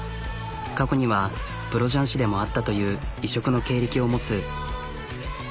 過去にはプロ雀士でもあったという異色の経歴を持つ。